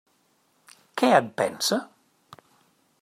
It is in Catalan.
Què en pensa?